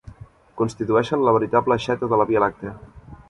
Constitueixen la veritable aixeta a la via làctia.